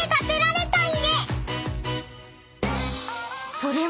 ［それは］